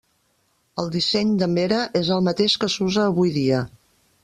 El disseny de Mera és el mateix que s'usa avui dia.